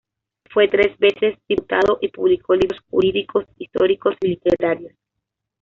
Fue tres veces diputado y publicó libros jurídicos, históricos y literarios.